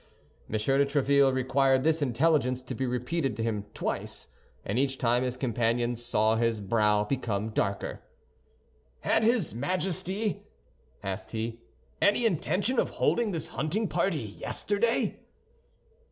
M. de Tréville required this intelligence to be repeated to him twice, and each time his companions saw his brow become darker. "Had his Majesty," asked he, "any intention of holding this hunting party yesterday?"